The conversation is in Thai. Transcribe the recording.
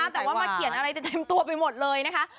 แต่ว่ามาเขียนอะไรเต็มตัวไปหมดเลยนะคะ